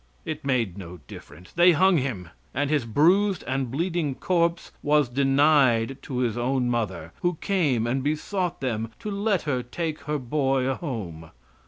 It made no difference. They hung him, and his bruised and bleeding corpse was denied to his own mother, who came and besought them to let her take her boy home.